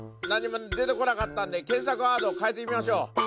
何も出てこなかったんで検索ワードを変えてみましょう！